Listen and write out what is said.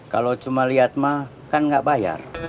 kalau cuma lihat mah kan nggak bayar